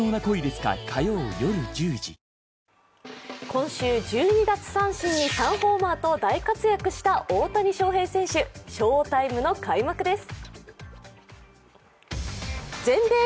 今週１２奪三振に３ホーマーと大活躍した大谷翔平選手、翔タイムの開幕です。